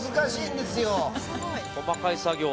細かい作業。